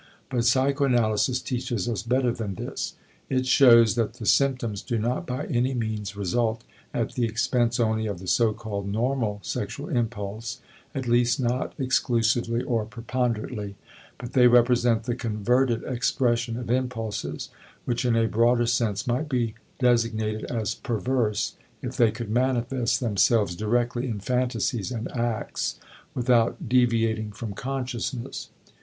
But psychoanalysis teaches us better than this. It shows that the symptoms do not by any means result at the expense only of the so called normal sexual impulse (at least not exclusively or preponderately), but they represent the converted expression of impulses which in a broader sense might be designated as perverse if they could manifest themselves directly in phantasies and acts without deviating from consciousness.